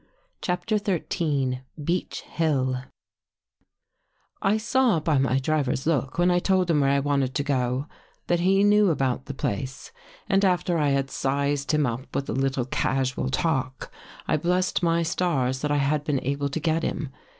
CHAPTER XIII BEECH HILL 1 SAW by my driver's look, when I told him where I wanted to go, that he knew about the place and after I had sized him up with a little casual talk, I blessed my stars that I had been able to get him.